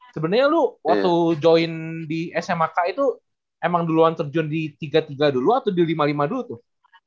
sebenarnya lu waktu join di smk itu emang duluan terjun di tiga puluh tiga dulu atau di lima puluh lima dulu tuh